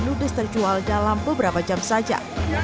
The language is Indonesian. ludes terjual dalam beberapa jam saja